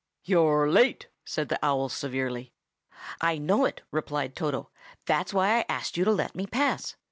"You're late!" said the owl severely. "I know it," replied Toto. "That's why I asked you to let me pass.